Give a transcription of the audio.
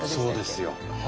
そうですよ。